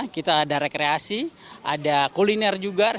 kita ada rekreasi ada kuliner juga